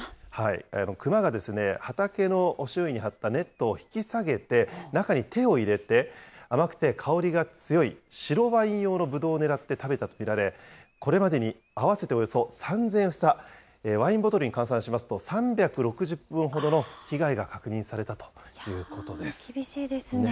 クマが畑の周囲に張ったネットを引き下げて、中に手を入れて、甘くて香りが強い白ワイン用のブドウを狙って食べたと見られ、これまでに合わせておよそ３０００房、ワインボトルに換算しますと３６０本ほどの被害が確認されたとい厳しいですね。